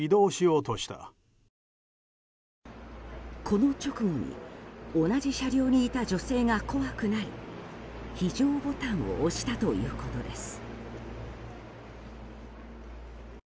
この直後に同じ車両にいた女性が怖くなり非常ボタンを押したということです。